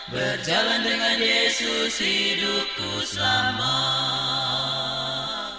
berjalan dengan yesus hidupku selama